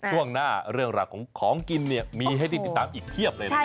ช่วงหน้าเรื่องหลักของของกินมีให้ดินตามอีกเทียบเลยนะครับ